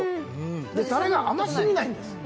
たれが甘すぎないんです